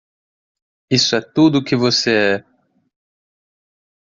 Isso é tudo que você é.